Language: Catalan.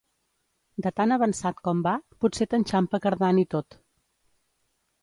De tan avançat com va, potser t'enxampa cardant i tot.